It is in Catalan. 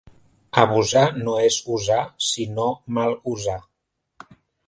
Abusar no és usar, sinó mal usar.